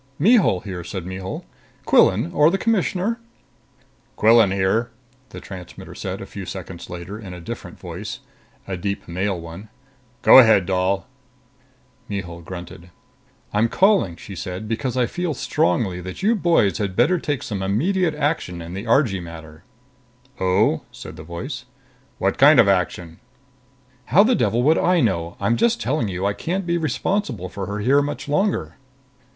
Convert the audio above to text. "Mihul here," said Mihul. "Quillan or the Commissioner...." "Quillan here," the transmitter said a few seconds later in a different voice, a deep male one. "Go ahead, doll." Mihul grunted. "I'm calling," she said, "because I feel strongly that you boys had better take some immediate action in the Argee matter." "Oh?" said the voice. "What kind of action?" "How the devil would I know? I'm just telling you I can't be responsible for her here much longer."